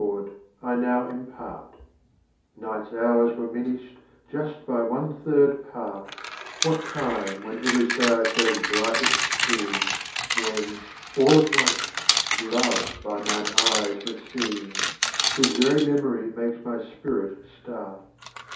/w A ; CANZONIERE Night's hours were minished just by one third part, » What time when every star shows brightest sheen, When all at once Love by mine eyes was seen, Whose very memory makes my spirit start.